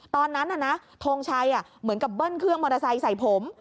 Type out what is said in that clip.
ตอนนั้นทงชัยเหมือนกับเบิ้ลเครื่องมอเตอร์ไซค์ใส่ผม